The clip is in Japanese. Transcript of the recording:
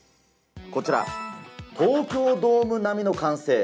こちら東京ドーム並みの歓声。